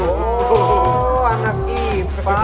oh anak ipa